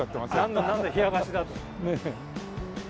なんだなんだ冷やかしだと。